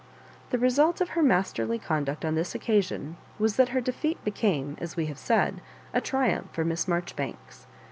The result of her masterly con duct on this occasion was that her defeat became, as we have said, a triumph for Miss Marjoribanks.